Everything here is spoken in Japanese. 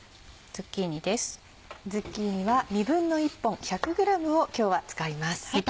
ズッキーニは１／２本１００ｇを今日は使います。